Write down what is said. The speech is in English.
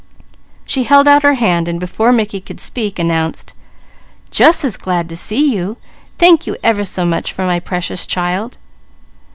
She held out her hand and before Mickey could speak announced: "Jus' as glad to see you! Thank you ever so much for my Precious Child!"